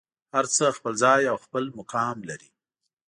هر څه خپل ځای او خپل مقام لري.